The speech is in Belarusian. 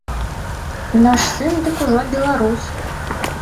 Наш сын дык ужо беларус.